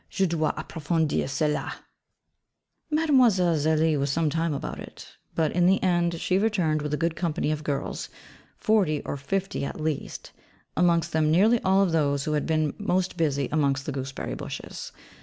Je dois approfondir cela.' Mlle. Zélie was some time about it: but in the end, she returned with a good company of girls, forty or fifty at least; amongst them nearly all of those who had been most busy amongst the gooseberry bushes.